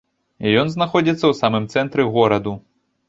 Ён знаходзіцца ў самым цэнтры гораду.